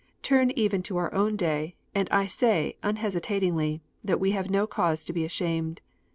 Turn even to our own day, and I say, unhesitatingly, that we have no cause to be ashamed.